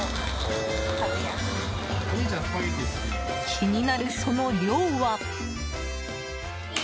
気になるその量は。